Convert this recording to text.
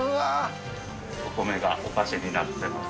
お米がお菓子になってます。